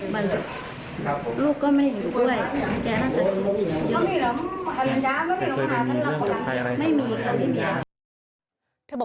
ไม่เคยไปมีเรื่องกับใครอะไรคุณบอกว่า